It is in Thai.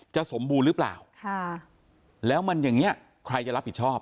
สมบูรณ์หรือเปล่าแล้วมันอย่างนี้ใครจะรับผิดชอบ